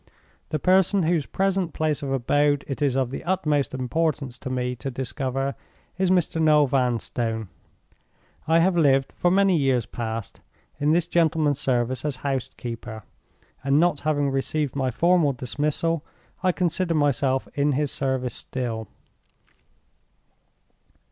"The person whose present place of abode it is of the utmost importance to me to discover is Mr. Noel Vanstone. I have lived, for many years past, in this gentleman's service as house keeper; and not having received my formal dismissal, I consider myself in his service still.